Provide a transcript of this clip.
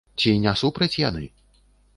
Ці не супраць яны?